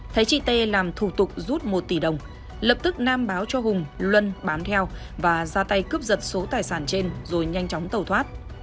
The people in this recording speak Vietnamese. thấy chị tê làm thủ tục rút một tỷ đồng lập tức nam báo cho hùng luân bám theo và ra tay cướp giật số tài sản trên rồi nhanh chóng tẩu thoát